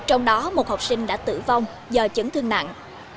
trong đó một học sinh đã tử vong do chấn thương nặng